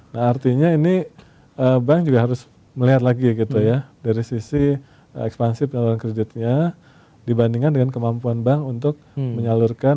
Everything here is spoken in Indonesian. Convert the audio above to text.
nah artinya ini bank juga harus melihat lagi gitu ya dari sisi ekspansi penyaluran kreditnya dibandingkan dengan kemampuan bank untuk menyalurkan